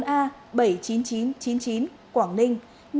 một mươi bốn a bảy mươi chín nghìn chín trăm chín mươi chín quảng ninh